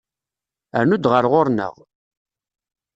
Rnu-d ɣer ɣur-neɣ!